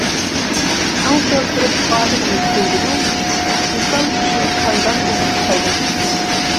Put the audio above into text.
چاڭ كەلتۈرۈپ ئالىمىنى سۆيگۈنىڭ، ۋىسال قۇشى خەندان ئۇرۇپ سايرىسۇن.